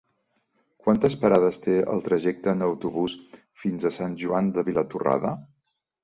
Quantes parades té el trajecte en autobús fins a Sant Joan de Vilatorrada?